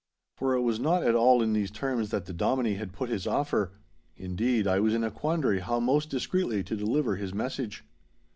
For it was not at all in these terms that the Dominie had put his offer. Indeed, I was in a quandary how most discreetly to deliver his message.